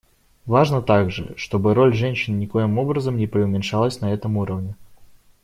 Важно также, чтобы роль женщин никоим образом не приуменьшалась на этом уровне.